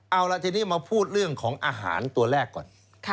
เอาล่ะทีนี้มาพูดเรื่องของอาหารตัวแรกก่อน